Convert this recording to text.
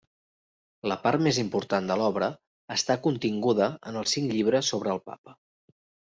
La part més important de l'obra està continguda en els cinc llibres sobre el Papa.